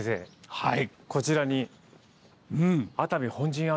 はい。